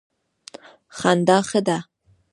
خندا ښه ده.